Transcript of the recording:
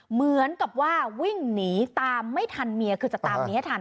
เหมือนกับว่าวิ่งหนีตามไม่ทันเมียคือจะตามเมียให้ทัน